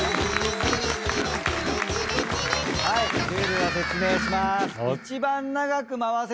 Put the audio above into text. はいルールを説明します。